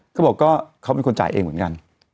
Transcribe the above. เขาบอกก็เขาเป็นคนจ่ายเองเหมือนกัน